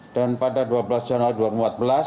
dan pada dua belas januari dua ribu empat belas